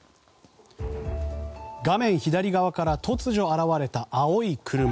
画面左側から突如現れた青い車。